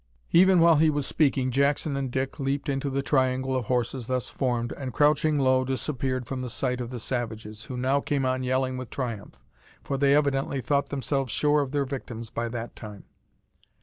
Even while he was speaking, Jackson and Dick leaped into the triangle of horses thus formed, and, crouching low, disappeared from the sight of the savages, who now came on yelling with triumph, for they evidently thought themselves sure of their victims by that time.